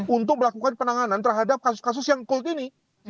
untuk melakukan penanganan terhadap kasus kasus yang cold ini